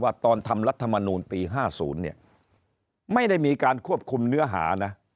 ตอนทำรัฐมนูลปี๕๐เนี่ยไม่ได้มีการควบคุมเนื้อหานะ